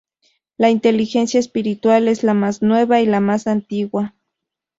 La inteligencia espiritual es la más nueva y la más antigua.